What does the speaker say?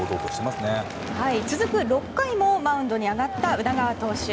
続く６回もマウンドに上がった宇田川投手。